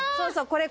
これ！